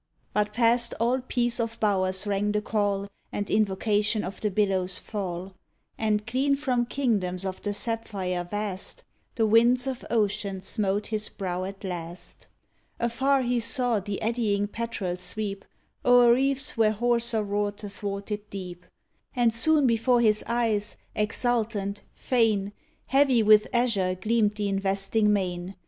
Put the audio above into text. But past all peace of bowers rang the call And invocation of the billows' fall, And, clean from kingdoms of the sapphire vast. DUJNDON The winds of ocean smote his brow at last. Afar he saw the eddying petrel sweep O'er reefs where hoarser roared the thwarted deep, And soon before his eyes, exultant, fain, Heavy with azure gleamed the investing main.